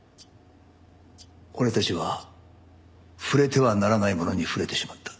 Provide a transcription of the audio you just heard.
俺たちは触れてはならないものに触れてしまった。